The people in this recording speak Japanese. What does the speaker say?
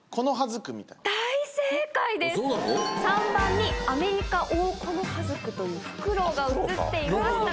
３番にアメリカオオコノハズクというフクロウが写っていました